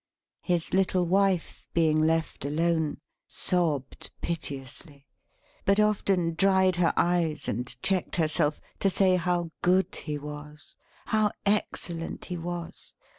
His little wife, being left alone, sobbed piteously; but often dried her eyes and checked herself, to say how good he was, how excellent he was!